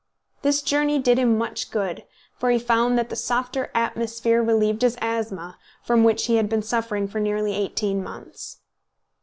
This journey did him much good, for he found that the softer atmosphere relieved his asthma, from which he had been suffering for nearly eighteen months.